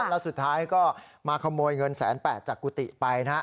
แล้วสุดท้ายก็มาขโมยเงินแสนแปดจากกุฏิไปนะฮะ